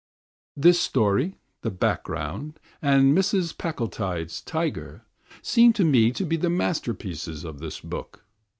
This story, THE BACKGROUND, and MRS PACKLETIDE'S TIGER seem to me to be the masterpieces of this book.